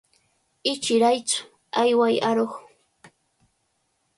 Ichiraytsu, ayway aruq.